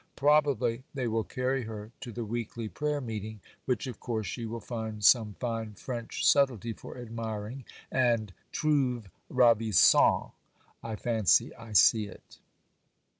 Probably they will carry her to the weekly prayer meeting, which of course she will find some fine French subtlety for admiring, and "trouve ravissante." I fancy I see it.